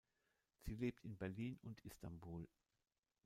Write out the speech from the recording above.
Sie lebt in Berlin und Istanbul.